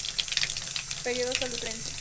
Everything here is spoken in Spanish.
Periodo Solutrense.